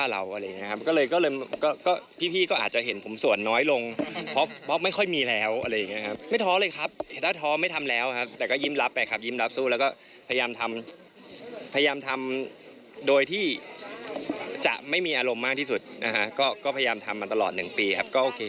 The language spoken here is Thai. เราก็รู้อยู่แก่ใจเราก็มีความสบายใจในตัวเราเองนั่นเองค่ะ